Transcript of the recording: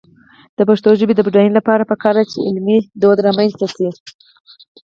د پښتو ژبې د بډاینې لپاره پکار ده چې علمي دود رامنځته شي.